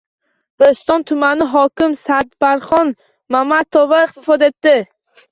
Bo‘ston tumani hokimi Sadbarxon Mamitova vafot etdi